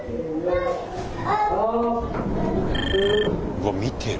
うわ見てる。